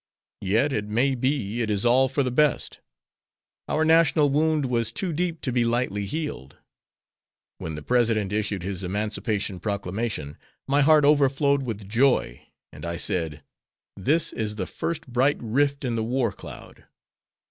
Yet it may be it is all for the best. Our national wound was too deep to be lightly healed. When the President issued his Emancipation Proclamation my heart overflowed with joy, and I said: 'This is the first bright rift in the war cloud.'"